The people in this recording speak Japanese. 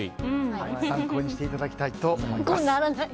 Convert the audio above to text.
ぜひ参考にしていただきたいと思います。